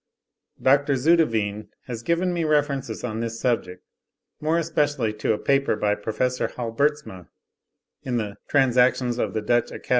Dr. Zouteveen has given me references on this subject, more especially to a paper by Prof. Halbertsma, in the 'Transact. of the Dutch Acad.